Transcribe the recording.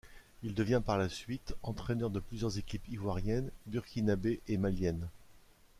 Il devient par la suite entraîneur de plusieurs équipes ivoiriennes, burkinabés et maliennes.